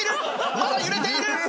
まだ揺れている！